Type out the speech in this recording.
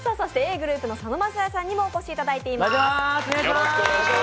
ｇｒｏｕｐの佐野晶哉さんにもお越し井田炊いています。